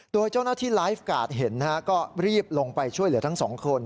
โดยเจ้าหน้าที่ไลฟ์การ์ดเห็นนะฮะก็รีบลงไปช่วยเหลือทั้งสองคน